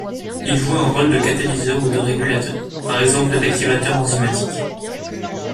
Ils jouent un rôle de catalyseur ou de régulateur, par exemple d’activateurs enzymatiques.